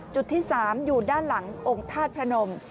จุดที่๓อยู่ด้านหลังองค์ธาตุพระนม